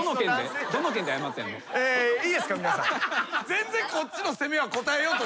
全然。